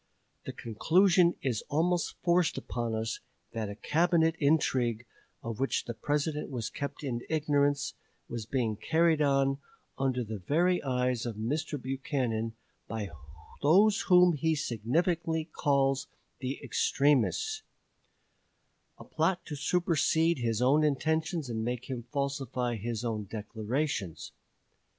The conclusion is almost forced upon us that a Cabinet intrigue, of which the President was kept in ignorance, was being carried on, under the very eyes of Mr. Buchanan, by those whom he himself significantly calls "the extremists" a plot to supersede his own intentions and make him falsify his own declarations.